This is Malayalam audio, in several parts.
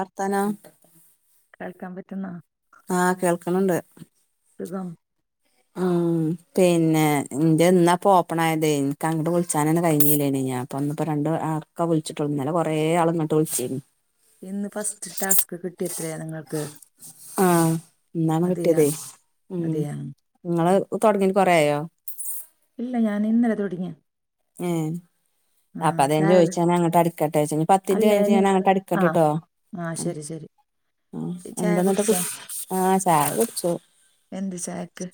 വർത്താനം. കേൾക്കാം പറ്റുന്നൊ? ആഹ് കേൾക്ക്‌ന്ണ്ട്. സുഖം. ഉം [inaudible] പിന്നെ ഇന്റെ ന്നാപ്പൊ ഓപ്പൺ ആയതെയ്, ഇൻക്ക് അങ്ട്ട് വിളിച്ചാനെന്നും കഴിഞ്ഞില്ലേനു ഞാൻപ്പൊ ഇന്ന്പ്പൊ രണ്ട് ആ ഇപ്പോ വിളിച്ചിട്ടൊള്ളു ഇന്നലെ കൊറേ ആള് ഇങ്ങട്ട് വിൾച്ചിരുന്നു. ഇന്ന് ഫസ്റ്റ് ടാസ്ക് കിട്ടിയ എത്രയാ? നിങ്ങൾക്ക്. ആഹ്, ഇന്നാണ് അതെയാ കിട്ടീയേതെയ്. അതെയാ ങ്ങള് തൊടങ്ങീട്ട് കൊറെ ആയോ? ഇല്ല ഞാൻ ഇന്നലെ തൊടങ്ങിയാ. ഏ. അപ്പ അതാ ഞാൻ ചായ ചോയ്ച്ചാ ഞാൻ അങ്ങട്ട അടിക്കട്ടെച്ച പത്തിൻറ്റ് കഴിൻഞ്ഞിട്ട് ഞാൻ അങ്ങട്ടടിക്കട്ടെട്ടോ. ആഹ് ശരി ശരി. ചായ എന്തന്നിട്ട് കുടിച്ചോ ആഹ് ചായ കുടിച്ചു. എന്ത് ചായക്ക്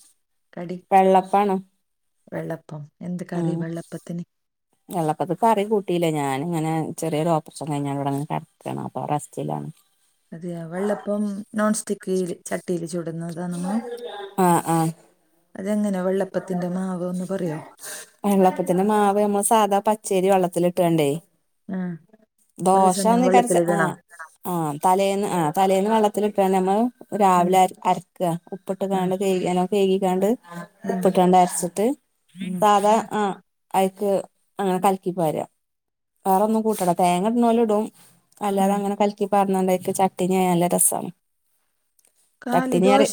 കടി? വെള്ളപ്പാണ്. വെള്ളപ്പം, എന്ത് കറി വെള്ളപ്പത്തിന്? വെള്ളപ്പത്ത്ക്ക്‌ കറി കൂട്ടിയില്ല ഞാന് ങ്ങനെ ചെറിയൊരു ഓപ്പറേഷൻ കഴിഞ്ഞാ ഇവിടെങ്ങനെ കടക്കാണ് അപ്പൊ റെസ്റ്റിലാണ്. അത്‌ വെള്ളപ്പം നോൺ സ്റ്റിക്ക് ചട്ടിയിൽ ചുട് [unintelligible] ആഹ് ആഹ് അതെങ്ങനെയ വെള്ളപ്പത്തിന്റെ മാവ് ഒന്ന് പറയോ വെള്ളപ്പത്തിന്റെ മാവ് നമ്മൾ സാദാ പച്ചേരി വെള്ളത്തിലിട്ടാണ്ടേ ആ കുറേ ദോശ സമയം ആന്നേക്കാരം വെള്ളത്തിലിടണോ ആഹ് ആഹ് തലേന്ന് ആഹ് തലേന്ന് വെള്ളത്തിലിട്ടാണ്ട് നമ്മൾ ഉം രാവിലെ അരച്ച് ഉപ്പിട്ട് ആ കാണ്ട് കയ് നല്ലോം കയികിക്കാണ്ട് ആ ഉപ്പിട്ടാണ്ട് അരച്ചിട്ട് ആ സാധാ ആ അയിക്ക് കലക്കി പാരാ വേറൊന്നും കൂട്ടണ്ട ഇടുന്നോല് ഇടും ആ അല്ലാതെ അങ്ങനെ കലിക്കി പറഞ്ഞണ്ടായിരിക്കും ചട്ടിണിയായ നല്ല രസമാ കാലി ദോശ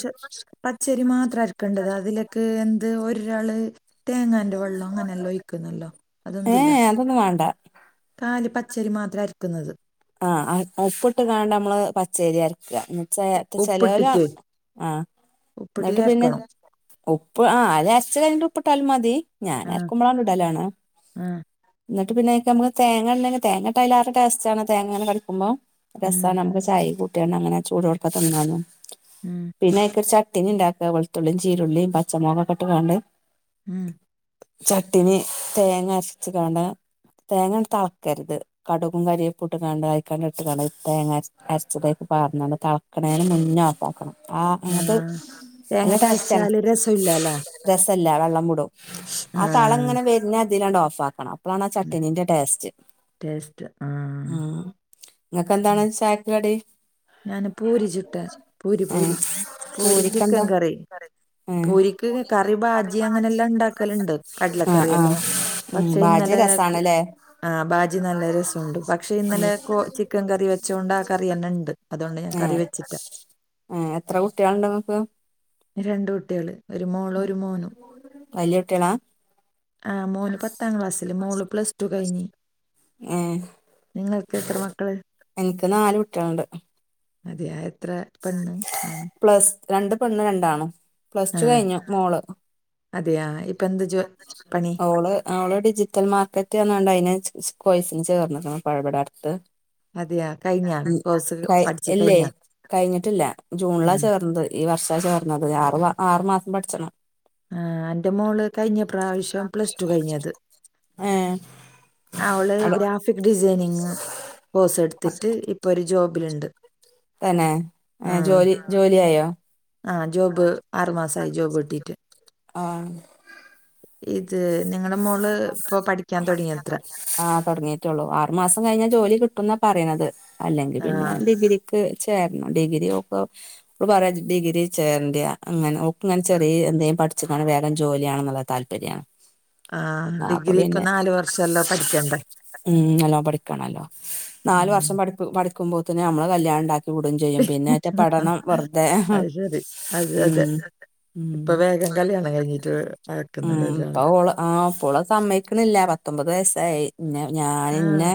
പച്ചരി മാത്രം അരക്കേണ്ടത് അതിലേക്ക് എന്ത് ഒരാള് തേങ്ങാന്റെ വെള്ളം അങ്ങനെല്ലോ ഒഴിക്കുന്നല്ലോ അതെന്തില്ല ഏഹ് അതൊന്നും വാണ്ട കാല് പച്ചരി മാത്രം അരിക്കുന്നത് ആഹ് ഉപ്പിട്ട് കാണ്ട് നമ്മള് പച്ചരി അരക്ക ഉ- ചെ ചെലോല് ഉപ്പിട്ടിട്ട് ആഹ് ഇന്നിട്ട് ഉപ്പിട്ടിട്ട് പിന്നെ അരക്കണം ഉപ്പ് ആ അ അരച്ച് കഴിഞ്ഞിട്ട് ഉപ്പിട്ടാലും മതി ഞാൻ ആ അരക്കുമ്പോളണ്ട് ഇടലാണ് ആ എന്നിട്ട് പിന്നെ അയ്ക്ക് നമുക്ക് തേങ്ങ ഇടണെങ്കിൽ തേങ്ങ ഇട്ട അയിലേറെ ടെസ്റ്റാണ് തേങ്ങ ഇങ്ങനെ കടിക്കുമ്പോ ഉം രസാണ് നമുക്ക് ചായ കൂട്ട്യാണ്ട് അങ്ങനെ ചൂടോട്ക്കെ തിന്നാന് ഉം പിന്നെ അയിക്കൊരു ചട്നി ഇണ്ടാക്ക വെളുത്തുള്ളിയും ചീരുള്ളിയും പച്ചമുളൊക്കെ ഇട്ട് കാണ്ട് ഉം ചട്ടിനി തേങ്ങ അരച്ച്ങ്ങാണ്ട് തേങ്ങ അങ്ങട്ട് തെളക്കെര്ത് കടുകും കറി പുട്ട് കാണ്ട് അയിക്കാണ്ട് ഇട്ട് കാണ്ട് ഇ തേങ്ങര അരച്ചത് അയിക്ക് പാറന്നാണ്ട് തെളക്കണേന്റെ മുന്നേ ഓഫ്‌ ആപ്പാക്കണം. ആഹ് ആ അങ്ങട്ട് തേങ്ങ നല്ല ടേസ്റ്റ് ആണ് തളിച്ചാല് രസമില്ലാലാ രസല്ല വെള്ളം കൂടും ആ തള ഇങ്ങനെ വരുന്ന അതില്ലാണ്ട് ഓഫ് ആക്കണം അപ്പോളാണ് ആ ചട്ടണീന്റെ ടേസ്റ്റ് ടെസ്റ്റാ ആഹ ഇങ്ങക്കെന്താണ് ചായക്ക് കടി ഞാന് പൂരി ചുട്ട പൂരി ഏ പൂരി പൂരി ചിക്കൻ പൂരിക്കെന്താ കറി ഏ പൂരിക്ക് കറി ഭാജി അങ്ങനെല്ലാം ഉണ്ടാക്കലുണ്ട് ആ കടലക്കറി ആ എല്ലോ ഉം പക്ഷെ ഭാജി ഇന്നലെ രസാണ്ല്ലേ ആ ബാജി നല്ല രസമുണ്ട് പക്ഷെ ഉം ഇന്നലെ ചിക്കൻ കറി വെച്ചുകൊണ്ട് ആ കറി തന്നെ ഉണ്ട് അതുകൊണ്ട് ഞാൻ കറി ഏഹ് വെച്ചിട്ട ഏഹ് എത്ര കുട്ട്യാളുണ്ട് ഇങ്ങക്ക് രണ്ട് കുട്ട്യാള് വലിയ കുട്ട്യാളാ ആഹ് മോന് പത്താം ക്ലാസ്സില് മോള് പ്ലസ്ടു കഴിഞ്ഞ് ഏഹ് നിങ്ങൾക്ക് എത്ര മക്കള് എനിക്ക് നാല് കുട്ടികളുണ്ട് അതെയാ എത്ര പെണ്ണ് ആണ് പ്ലസ് രണ്ട് പെണ്ണ് രണ്ട് ആണും പ്ലസ് ആ ടു കഴിഞ്ഞു മോള് അതെയാ ഇപ്പൊ എന്ത് ജോ പണി ഓള് അവള് ഡിജിറ്റൽ മാർക്കറ്റ് പറഞ്ഞാണ്ട് അതിന് കോഴ്സിന് ചേർന്ന്ക്ക്ണ് ഇപ്പൊ ഇവിടെ അടുത്ത് അതെയാ കഴിഞ്ഞ [unintelligible] കോഴ്സ് കൊയ പഠിച്ച് ഇല്ലേ കഴിഞ്ഞ കഴിഞ്ഞിട്ടില്ല ജൂണിലാ ഉം. ചേർന്നത് ഈ വർഷാ ചേർന്നത് ആറ് ആറു മാസം പഠിച്ചണം ആഹ് എന്റെ മോള് കഴിഞ്ഞ പ്രാവശ്യം പ്ലസ് ടു കഴിഞ്ഞത് ഏഹ് ആ ഓള് അവിടെ ഗ്രാഫിക് ഡിസൈനിങ് കോഴ്സ് എടുത്തിട്ട് ഇപ്പൊ ഒരു ജോബിലുണ്ട് തന്നെ ഏ ജോലി ജോലിയായോ ആഹ് ജോബ് ആറു മാസായി ജോബ് കിട്ടിട്ട് ആഹ് ഇത് നിങ്ങളെ മോള് ഇപ്പോ പഠിക്കാൻ തുടങ്ങിയത്ര ആഹ് തുടങ്ങീട്ടോള്ളൂ ആറുമാസം കഴിഞ്ഞാ ജോലി കിട്ടുന്നാ പറണത് അല്ലെങ്കിൽ ആ പിന്നെ ഡിഗ്രി ക്ക് ചേരണം ഡിഗ്രിഓക്ക് ഇപ്പ പറയാ ഡിഗി ചേരണ്ടിയ അങ്ങനെ ഒക്ക്‌ ഇങ്ങനെ ചെറിയ എന്തേങ്കും പഠിച്കാണ്ട് വേഗം ജോലിയാണെന്നുള്ള താൽപര്യാ ആ ഡിഗ്രി ഇപ്പൊ നാല് വർഷംല്ലോ പഠിക്കണ്ടേ ഉം നല്ലോ പഠിക്കണല്ലോ നാലു ഉം. വർഷം പടി പഠിക്കുമ്പോത്ത്ന് നമ്മള് കല്യാണണ്ടാക്കി ടും ചെയ്യും പിന്നെ ആറ്റ പഠനം വെറുതെ അത് ഉം ഇപ്പ ഉം വേഗം കല്യാണം കഴിഞ്ഞിട്ട് അയക്കുന്നല്ലെ ഒ ആഹ് ഇപ്പോള് സമ്മയിക്കണില്ല പത്തൊമ്പത് വയസായി ഞാന് ആ ഇന്നെ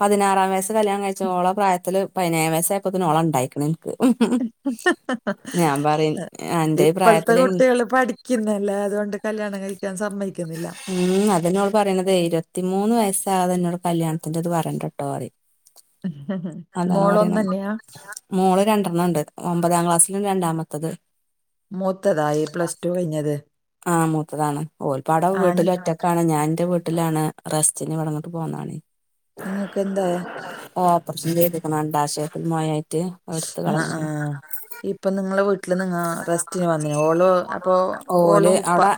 പതിനാറാം വയസ് കല്യാണം കഴിച്ചോള പ്രായത്തില് പതിനേഴാം വയസ്സായപ്പോത്തിന് ഓള് ണ്ടായിക്ക്ണ് നിക്ക് ഞാൻ പറിം അന്റെ ഈ പ്രായത്തില് ക്കിന്നല്ലേ അതോണ്ട് കല്യാണം കഴിക്കാൻ സമ്മയിക്കുന്നില്ല ഉം അതെന്നെ ഓള് പറയണതേയ് ഇരുപത്തി മൂന്ന് വയസാകാതെ ന്നോട് കല്യാണത്തിന്റെത് പറയണ്ടട്ടോ പറിം അതാണ് മോളൊന്നു പറിണ് തന്നെയാ മോള് രണ്ടർണ്ണംണ്ട് ഒമ്പതാം ക്ലാസ്സിലും രണ്ടാമത്തത് മൂത്തതായി പ്ലസ് ടു കഴിഞ്ഞത് ആഹ് മൂത്തതാണ് ഓര് പാടേ ആണ് വീട്ടില് ഒറ്റ കാണ് ഞാൻ ന്റെ വീട്ടിലാണ് റസ്റ്റിന് വിടങ്ങിട്ട് പോന്നതാണ് നിങ്ങൾക്ക് എന്താ ഓപ്രസം ചെയ്ത്ക്ക്ണ് അണ്ഡാശയത്തിൽ മൊഴ ആയിട്ട് ആഹ് ആഹ്. ഇപ്പൊ നിങ്ങളെ വീട്ടില് നിങ്ങ റെസ്റ്റിന് വന്നയാ ഓളോ അപ്പൊ ഓല് ഓളും ഉപ്പ അവടെ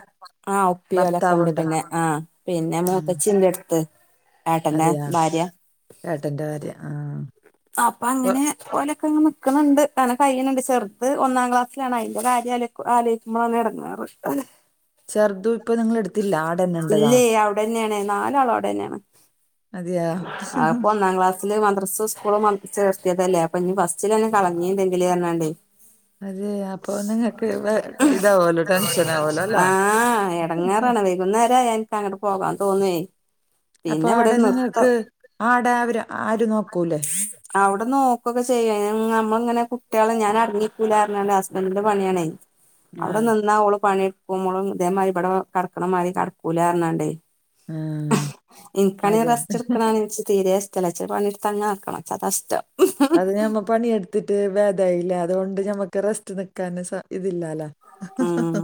ആ ഉപ്പി ഓലൊക്കെ ണ്ട് ഭർത്താവുണ്ടോ പിന്നെ ആ പിന്നെ ഉം മൂത്തച്ചി പിന്നെ ടുത്ത് ഏട്ടന്റെ അതെയാ ഭാര്യ ഏട്ടന്റെ ഭാര്യ ആ അപ്പ അങ്ങനെ ഓലെക്കെ ങ്ങനെ നിക്ണ് ണ്ട് ആടെ കഴിയണ്ണ്ട് ചെറ്ത് ഒന്നാം ക്ലാസ്സിലാണ് അതിറെ കാര്യാലോ ആലോയ്ക്കുമ്പോആണ് എടങ്ങേറ് ചെർതും ഇപ്പൊ നിങ്ങളെടുത്തില്ല ആടെന്നെണ്ട് ദാ അവിടന്നേണ് നാലാളും അവിടെന്നേണ് അതെയാ അത്പ്പോ ഒന്നാം ക്ലാസിൽ സില് മദ്രസുസ്കൂളും മം ചേർത്തിയതല്ലേ അപ്പഞ് ഫസ്റ്റ്ലെന്നെ കളഞ്ഞ്ണ്ടെങ്കില് പർഞ്ഞാണ്ടേ അതെ അപ്പൊ നിങ്ങക്ക് വേ ഇതാവോലോ ടെൻഷൻ ആവോലോ അല്ല ആഹ് എടങ്ങേറാണ വൈ വൈകുന്നേരായ ഇൻക്ക് അങ്ങട് പോകാൻ തോന്നേ അപ്പൊ ആടെ നിങ്ങക്ക് ആടെ അവര് ആര് നോക്കൂലെ അവിടെ നോകുഒക്കെ ചെയ്യും നമ്മളിങ്ങനെ കുട്ട്യാള് ഞാന് അടങ്ങിക്കൂലാന്ന് പറഞാണ്ട് ഹസ്ബൻ്റിന്റെ പണിയാണേ അവിടെ ആഹ് നിന്നാ ഓള് പണിടുക്കും ഓള് ഇതേമാതിരി ഇവിടെ കെടക്കണ മാതിരി കെടക്കൂന്നറിഞ്ഞ്കാണ്ടേ ആഹ് ഇൻകാണേ അത്ണ്ട് റസ്റ്റ്‌ ഇട്ക്ണ ആലോയ് തീരെേ ഷ്ടല്ല ഇച്ച് പണിട്ത്ത് ങ്ങനെ ടക്കണം ഇച്ച് അതാ ഇഷ്ടം അത് ഞമ്മ പണിയെടുത്തിട്ട് വേദായില്ലേ അതുകൊണ്ട് ഞമ്മക്ക് റെസ്റ്റ് നക്കാന് ഇതില്ലാലോ. ഉം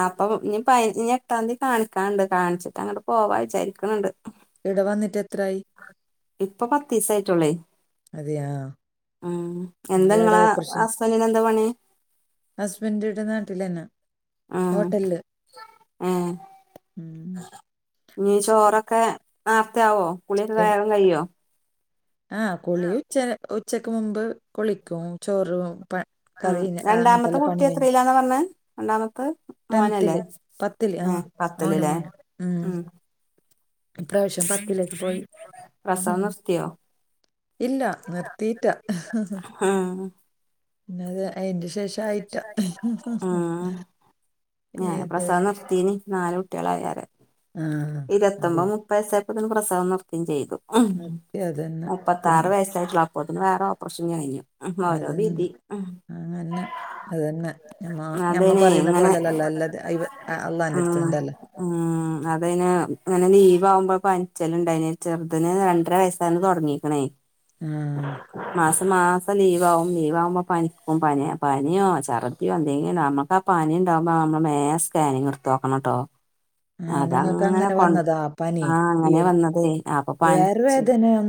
ആ ആ ഇപ്പ നീ പ ഞ്ഞി എട്ടാംതി കാണിക്കാൻണ്ട് കാണിച്ചിട്ട് അങ്ങട് പോവാ വിചാരിക്ണ്ണ്ട് ഈട വന്നിട്ട് എത്രായി ഇപ്പ പത്തീസായിട്ടുള്ളേ അതെയാ ഉം എന്താ എവിടെ ങ്ങളാ ഹസ്ബൻറിന് എന്താ പണി ഹസ്ബൻ് ഈട നാട്ടിലെന്നെ ആഹ് ഏഹ് ഉം. ഞ്ഞി ചോറൊക്കെ നേർത്തെ ആവോ കുളിയൊക്കെ വേഗം കഴിയ്യോ ആഹ് കുളി ഉച്ച ഉച്ചക്ക് മുമ്പ് കുളിക്കും ചോറും പ ഉം കറി രണ്ടാമത്തെ അങ്ങനത്തെല്ല കുട്ടി പണി കഴിഞ്ഞു എത്രയിലാന്നാ പറഞ്ഞെ രണ്ടാമത്തെ ടെൻതിൽ മോനല്ലേ പത്തില്ല് ആഹ് ഏ മോന പത്തില്ല്ലേ മോന ഉം ഈ പ്രാവശ്യം പത്തിലേക്ക് പോയി പ്രസവം നിർത്തിയോ ഇല്ല നിർത്തില്ല ഉം പിന്ന അതിന്റെ ശേഷം ഇതായിട്ട ഉം ഞാന് പ്രസവം നിർത്തിനി നാല് കുട്ടികളായാര് ആ അതെ ഇരുപത്തൊമ്പത് മുപ്പത് വയസായപ്പോ തന്നേ പ്രസവം നിർത്തയും ചെയ്തു നിർത്തി അതന്നെ മുപ്പത്താറ് പിന്നെ വയസ് അപ്പോപിന്നെ വേറെ ഓപ്പറേഷൻ കഴിഞ്ഞു അത് ഓരോ വിധി ഉം തന്നെയാണ് അത്ന്നെ അതുതന്നേ മ്മ ഞമ്മ അതേനെ പറയുന്ന ഇങ്ങനെ പോലല്ലല്ലോ അല്ലാ അള്ളാന്റെ അടുത്തണ്ടല്ലോ തന്നേ അത് കഴിഞ്ഞു അങ്ങനെ ലീവാമ്പോ പനിച്ചലുണ്ട ചെറുതന് രണ്ടര വയസായിന്ന് തുടങ്ങീക്കണേ ആ [inaudible] മാസം മാസം ലീവാവും. ലീവാവുമ്പോ പനിക്കും പനിയ പനിയോ ചർ യൊ എന്തെങ്കിലു അമ്മക്കാ പനിണ്ടാവുമ്പ അമ്മള് മേ സ്കാനിങ്ട്ത്ത്ക്കണം ട്ടോ ആ നിങ്ങക്ക് അതങ്ങനെ അങ്ങനെ വന്നതാ പനി കൊൺആഹ്, ഈ അങ്ങനെ വന്നതേ അപ്പ പനിച്ച്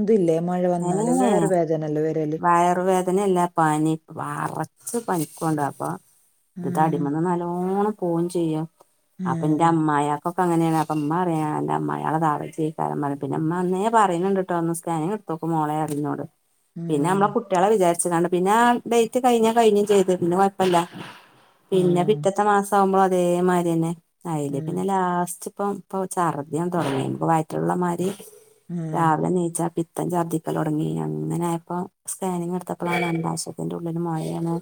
ഇത് ലേ മുഴ വന്നാല് വേറെ വേദനല്ലേ വരല് വയറു വേ ദനയല്ല പനി. വറച്ച് പനിക്കുഅണ്ട്. അപ്പ ത് ഉം തടിമന്ന് നല്ലോണം ഫോൺ ചെയ്യാം അപ്പ ഇന്റെ ഉം അമ്മായാക്കൊക്കങ്ങനേണ് അപ്പ ഇമ്മ പറയാ അൻ്റെ അമ്മായേളെ താവജേക്കാരം പർഞ്. പിന്നെ ഇമ്മ അന്നേ പറിണ് [unintelligible] സ്കാനിംഗ് ഇട്ത്തോക്ക് മോളേറിം ന്നോട്. പിന്നെമ്മള ഉം കു ട്ട്യളെ വിചാരിച്ചക്കാണ്ട്. പിന്നെ ആഹ് ഡേറ്റ് കഴിഞ്ഞ കഴിഞ്ഞും ചെയ്ത് പിന്നെ കൊഴപ്പല്ല പിന്നെ പിറ്റ ഉം ത്ത മാസാകുമ്പളും അതേമാരിന്നെ അയില് ഉം പിന്നെ ലാസ്റ്റ് പ്പം പ്പൊ ചർദ്ധിയുംതൊടങ്ങീണ്. പ്പ വയറ്റ്ല്ള്ളമാരി ഉം രാവിലെ നീച്ചാ പി പ്പം ചർത്ഥിക്കലൊട്ങ്ങി. അങ്ങനായപ്പോ സ്കാനിങ്ട്ത്തപ്പളാണ് ഗർഭശയത്തിന്റുള്ളിൽ മൊഴേണ്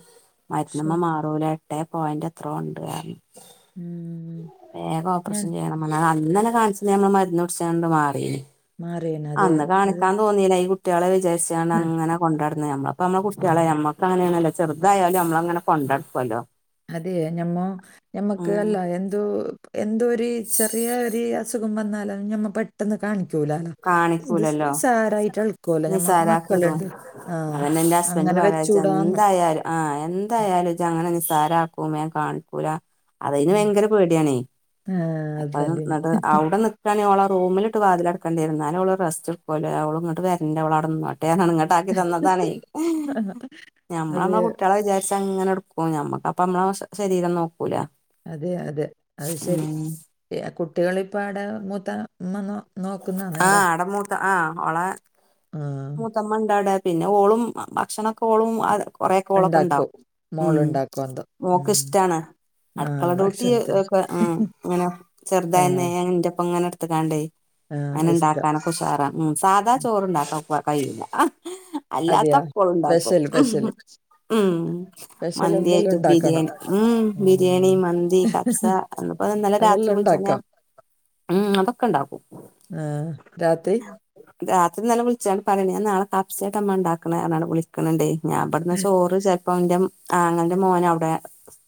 ശ്ശെ മര്ന്ന്മ്മേ മാറൂല എട്ടേ പോയൻറ് എത്രോണ്ട് അർഞ് ഉം വേഗം ഞാൻ ഓപ്പറേഷൻ ചെയ്യണം പർഞ്ഞ്. അത് അന്നന്നെ കാൺചിണേ മ്മള് മര്ന്നുട്ച്ചാണ്ട് മാറീനി മാറിയേനെ അത് അന്ന് അത് കാണിക്കാൻ തോന്നീല. ഈ കുട്ട്യാളെ വിചാരിച്ചാണ്ട് ഉം അങ്ങനെ കൊണ്ടട്ന്ന്. നമ്മളപ്പോ നമ്മളെ കുട്ട്യാളെ നമ്മക്ക് അങ്ങനേണല്ലോ ചെർതായാലും നമ്മള് അങ്ങനെ കൊണ്ടട്ക്കുവല്ലോ അതെ, ഞമ്മോ ഞമ്മക്ക് അല്ല എന്തോ എന്തോ ഒരു ചെറിയ ഒരു അസു ഖം വന്നാലത് ഞമ്മ പെ ട്ടന്ന് കാണിക്കൂലാലൊ. ഇത് കാണിക്കൂലല്ലോ നിസാരായിട്ട് എളുക്കുല്ലോ ഞമ്മക്ക് നിസാരാക്കി ഇടും മക്കളുണ്ട് ആ അതന്നെ ന്റെ ഹസ്ബന്റ് അങ്ങനെ പറയാ വെച്ചൂടാന്ന് ജെന്തായാലും ആഹ്, എന്തായാലും ഇജഅങ്ങനെ നിസാരാക്കും. വേം കാണിക്കൂല അതിയ്ന് ഉം. വയങ്കര പേടിയാണേയ് ആ, അപ്പത് ഹസ്ബൻഡിന് ന്നട്ട് ഔടെ നിക്കാണെ ഓളെ റൂമിലിട്ട് വാതിലട് കണ്ടേരും. ന്നാലുംഓള് റസ്റ്റ് എടുക്കുല അവള് ഇങ്ങട്ട് വര്ണ്ട ഓള് അടെന്നോട്ടെഅർഞാണ്ട് ഇങ്ങ ണ്ടാക്കി തന്നതാണെയ് അതെ നമ്മളമ്മ കുട്ട്യള വിചാര് ച്ചങ്ങനെട്ക്കും. ഞമ്മക്ക് അപ്പ അമ്മള ശരീരം നോക്കൂലാ അതെ അതെ അത് ശരി. കുട്ട്യാളിപ്പാടെ മൂത്ത മ്മ നോ നോക്കുന്ന നേരെ ആഹ് അട മൂത്ത ആഹ് ഓളെ ആ മൂത്തമ്മണ്ടടെ പിന്നെ ഓളും ഭ ഭക്ഷണൊക്കെ ഓളും അ കൊറെഒക്കെ ഉണ്ടാക്കും ഓളൊക്കെണ്ടാക്കും. ഉം മോളുണ്ടാക്കും എന്തോ ഓക്ക് ഉം. ഇഷ്ടാണ് ആ അട്ക്കള ഡ്യൂട്ടി ഭക്ഷണത്തിന് ഒക്ക ഉം ഇങ്ങനെ ആ ചെർതായന്നേ ന്റപ്പങ്ങനെട്ത്ത്ക്കാണ്ടേയ് ആ ഇഷ്ടം അങ്ങനെണ്ടാക്കാനൊക്കെ ഉഷാറാ ഉം സാധാ ചോറ്ണ്ടാക്കാൻ ഓക്ക് കയ്യൂല അതെയാ? അല്ലാത്തക്കോള്ണ്ടാക്കും സ്പെഷ്യല്, സ്പെഷ്യല്. ഉം സ്പെഷ്യൽ എന്തെല്ലാം മന്തിയായിട്ടു ഉണ്ടാക്കണം. ബിരിയാണി ഉം ബിരിയാണി മ്മ്. മന്തി കഫ്സ എന്നപ്പോ ന്നലെ രാത്രി അതെല്ലാം വിൾചാണ്ട് ഞാൻ ഉണ്ടാക്കാം. ഉം അതൊക്കെണ്ടാക്കും ഏഹ് രാത്രി രാത്രീന്നെലെ വിൾച്ചാണ്ട് പറിണ്ട്. ഞാൻ നാളെ കബ്സേട്ടമ്മാണ്ടാക്കണെ അർഞ്ഞാണ്ട് വിളിക്കണ് ണ്ടേയ് ഞാമ്പട്ന്ന് ചോറ് ചെൽപ്പം ന്റം ആങ്ങൾന്റെ മോന് അവിടെ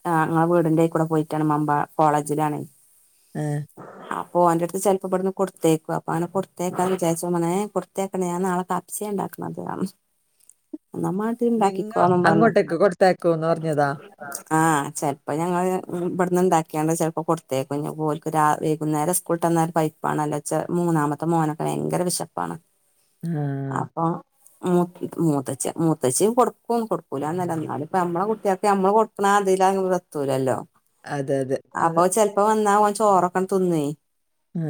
ആഹ് ഇങ്ങളവീടിന്റയ് കൂടെ പോയിറ്റാണ്. മമ്പാ കോളേജിലാണെയ് ഏഹ് അപ്പൊ ഓൻ്റട്ത്ത് ചെൽപ്പോബ്ട്ന്നു കൊടുത്തേക്വാ അപ്പ ആണ് കൊടുത്തേക്കു. അപ്പങ്ങനെ കൊട് ത്തേക്കാ വിചാരിച്ചപ്പം പർഞ്ഞ് ഏഹ് കൊടുത്തേക്കണ്ട ഞാൻ നാളെ കബ്സെ ണ്ടാക്കണത്അർഞ് ന്നാമ്മാട്ടീ നിങ്ങ ണ്ടാക്കിക്കോന്നും പർഞ് അങ്ങോട്ടേക്ക് കൊടുത്തയക്കൂന്ന് പറഞ്ഞതാ? ആഹ് ചെൽപ്പ ഞങ്ങള് ബ്ട്ന്ന് ഇണ്ടാക്കിയാണ് ചെൽപ്പോ കൊടുത്തേക്കും ഞിഓൽക്ക് രാ വൈകുന്നേരം സ് കൂട്ടന്നാൽ പൈ പ്പാണല്ലേച്ച് മൂന്നാമത്തെ മോനൊക്കെ വയങ്കര വിശപ്പാണ് ആ. അപ്പൊ മൂ മൂത്തച്ച് മൂത്തച്ചിം കൊട്ക്കും കൊടുക്കൂലാന്നല്ല ന്നാലുപ്പം ഞമ്മളെ കുട്ട്യാക്ക് ഞമ്മള് കൊ ക്ണാതിലാ ഇവടെത്തൂലല്ലോ അതെ, അതെ, അപ്പൊ അതെ. ചെൽപ്പോ വന്നാ ഓൻ ചോറൊക്കണ്ട് തിന്നേ ആ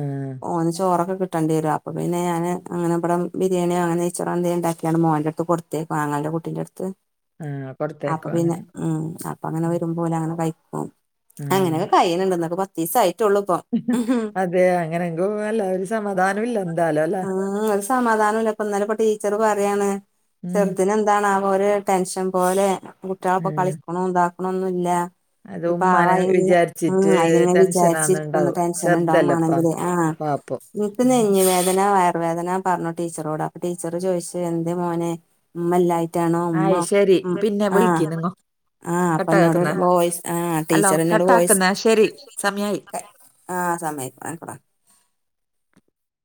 ഓന് ചോറൊക്കെ കിട്ടണ്ടിവെരും അപ്പ പിന്നെ ഞാന് അങ്ങനെ ഇബ്ടം ബിരിയാണിയോ നെയ്ച്ചോറോ അങ്ങനെ ന്തെണ്ടാക്ക്യാണ്ട് മോന്റെട്ത്ത് കൊടുത് തേ പ്പാങളൻ്റെ കുട്ടീന്റെട്ത്ത് ആ. കൊടുത്തയക്കും അപ്പൊപ്പിന്നെ അങ്ങനെ. ഉം അപ്പങ്ങനെ ഉം. വരുമ്പോലങ്ങനെ കയ്ക്കും ആ. അങ്ങനൊക്കെ കയ്യ്ന്ണ്ട് ന്നക്ക് പത്തീസായിട്ടൊള്ളു അതെ അങ്ങനെങ്കോ അല്ല ഒരു സമാധാനം ല്ല എന്താലു ലെ സമാധാനുല്ലപ്പം ഇന്നലെപ്പം ടീച്ചറ് പറയാണ് ഉം. ചെറ്തിനെ എന്താണാവോ ഒരു ടെൻഷൻ പോലെ കുട്ട്യാളൊപ്പം ഉം. കളിക്ക്ണും ഇതാക്ക്ണൊന്നുല്ല അത് ഒരു ഉമ്മാനെ പാവായി [unintelligible] വിചാരിച്ചിട്ട് ഉം അയ്ന്ങ്ങനെ വിചാരിച്ചിരിക്കണ് ടെൻഷനാന്നുണ്ടാവും. ടെൻഷൻ ചെറുതല്ലപ്പാ, ണ്ടാവുംമാണെങ്കില് ആ പാപ്പം. ൻക്ക് നെഞ് വേദന വയർവേദന പർഞ്ഞു ടീച്ചറോട് അപ്പൊ ടീച്ചറ് ചോയ്ച്ച് എന്തേ മോനെ ഇമ്മല്ലായ് റ്റാണോ ഉമ്മ ആയി ശരി. ഉം പിന്നെ ആ വിളിക്ക് നിങ്ങ. ആ അപ്പൊ ന്നോട് കട്ടാക്കണ്ട. വോയിസ് ആ അല്ലോ ടീച്ചറ്ന്നോട് വോയിസ് കട്ടാക്കുന്ന ശരി സമയായി [unintelligible]